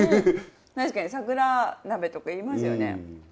確かに桜鍋とか言いますよね。